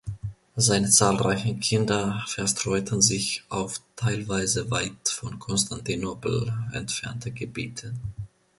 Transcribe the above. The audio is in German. Seine zahlreichen Kinder verstreuten sich auf teilweise weit von Konstantinopel entfernte Gebiete.